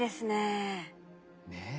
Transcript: ねえ。